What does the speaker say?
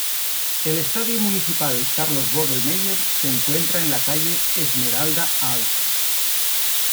El Estadio Municipal Carlos Vogel Meyer se encuentra en la calle Esmeralda alt.